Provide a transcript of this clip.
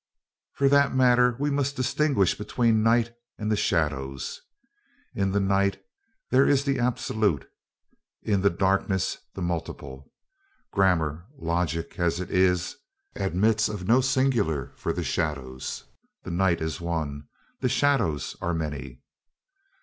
For that matter we must distinguish between night and the shadows. In the night there is the absolute; in the darkness the multiple. Grammar, logic as it is, admits of no singular for the shadows. The night is one, the shadows are many.